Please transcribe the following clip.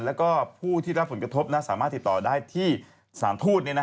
แล้วก็ผู้ที่รับผลกระทบสามารถติดต่อได้ที่สถานทูต